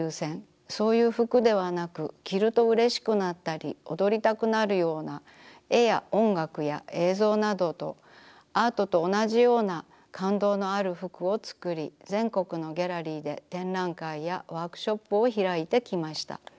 そういう服ではなく着るとうれしくなったり踊りたくなるような絵や音楽や映像などアートとおなじような感動のある服をつくり全国のギャラリーで展覧会やワークショップをひらいてきました。